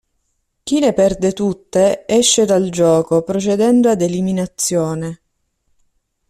Chi le perde tutte esce dal gioco procedendo ad eliminazione.